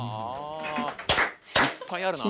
いっぱいあるなあ。